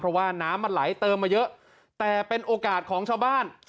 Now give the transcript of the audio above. เพราะว่าน้ำมันไหลเติมมาเยอะแต่เป็นโอกาสของชาวบ้าน